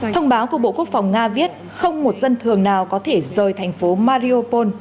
thông báo của bộ quốc phòng nga viết không một dân thường nào có thể rời thành phố mariophone